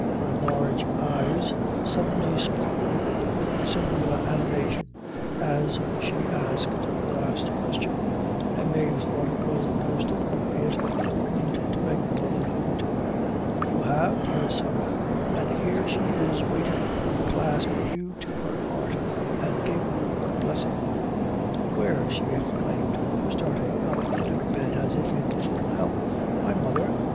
Her large eyes suddenly sparkled with singular animation as she asked the last question, and Mave thought it was the most appropriate moment to make the mother known to her. "You have, dear Sarah, an' here she is waitin' to clasp you to her heart, an' give you her blessin'." "Where?" she exclaimed, starting up in her bed, as if in full health; "my mother!